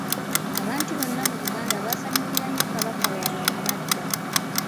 Abantu bonna mu Buganda baasanyukira nnyo Kabaka waabwe mu madda.